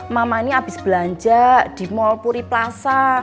mama ini habis belanja di mall puri plaza